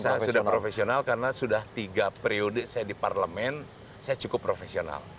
saya sudah profesional karena sudah tiga periode saya di parlemen saya cukup profesional